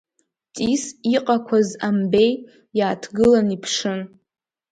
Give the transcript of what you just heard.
Ҵис иҟақәаз амбеи, иааҭгылан иԥшын.